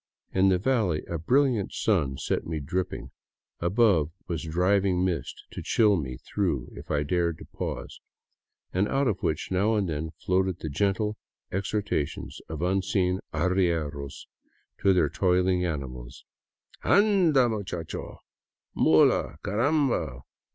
In the valley a brilliant sun set me dripping; above was driving mist to chill me through if I dared to pause, and out of which now and then floated the gentle exhortations of unseen arrieros to their toiling animals :" Anda, macho ! Mula, caramba